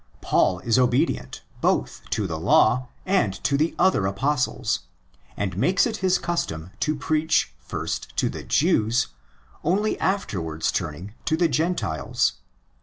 Paul is obedient both to the Law and to the other Apostles, and makes it his custom to preach first to the Jews, only afterwards turning to the Gentiles.